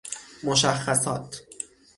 مشخصات